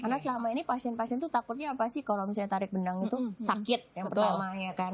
karena selama ini pasien pasien tuh takutnya apa sih kalau misalnya tarik benang itu sakit yang pertamanya kan